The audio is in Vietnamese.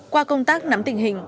qua công tác nắm tình hình